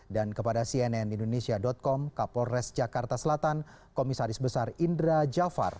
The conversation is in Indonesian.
dan kepada cnn indonesia com kapolres jakarta selatan komisaris besar indra jafar